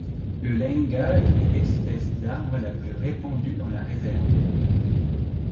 Le Lenga est l'espère d'arbre la plus répandue dans la réserve.